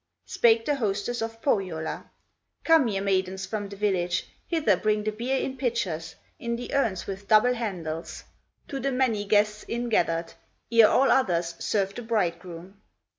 Spake the hostess of Pohyola: "Come, ye maidens from the village, Hither bring the beer in pitchers, In the urns with double handles, To the many guests in gathered, Ere all others, serve the bridegroom."